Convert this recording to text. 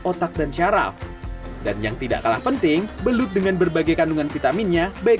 otak dan syaraf dan yang tidak kalah penting belut dengan berbagai kandungan vitamin d dan fosfor yang